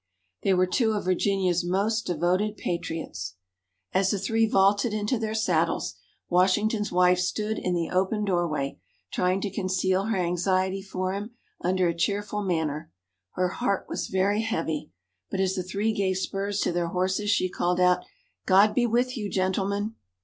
They were two of Virginia's most devoted Patriots. As the three vaulted into their saddles, Washington's wife stood in the open doorway, trying to conceal her anxiety for him under a cheerful manner. Her heart was very heavy. But as the three gave spurs to their horses, she called out: "God be with you, Gentlemen!"